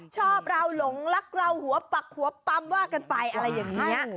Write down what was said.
ชอบเราหลงรักเราหัวปักหัวปั๊มว่ากันไปอะไรอย่างนี้